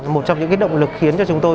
một trong những động lực khiến cho chúng tôi